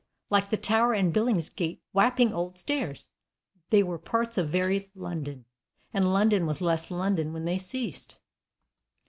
Like the Tower and Billingsgate and Wapping Old Stairs, they were parts of very London, and London was less London when they ceased.